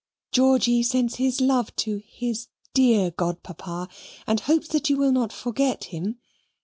Georgy sends his love to HIS DEAR GODPAPA and hopes that you will not forget him.